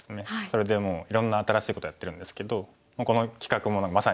それでもういろんな新しいことやってるんですけどこの企画もまさに張豊さんらしい。